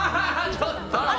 ちょっと！